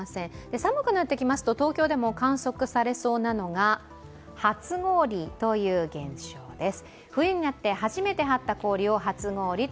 寒くなってきますと東京でも観測されそうなのが初氷という現象です。